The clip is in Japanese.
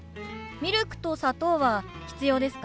ミルクと砂糖は必要ですか？